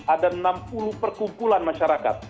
ada enam puluh perkumpulan masyarakat